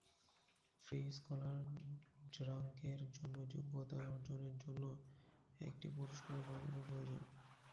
Free scholar র্যাঙ্কের জন্য যোগ্যতা অর্জনের জন্য একটি পুরস্কার বাজানো প্রয়োজন।